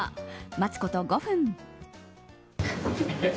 待つこと５分。